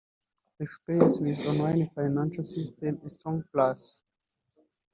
Experience with online financial systems a strong plus